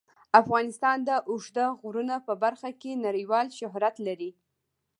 افغانستان د اوږده غرونه په برخه کې نړیوال شهرت لري.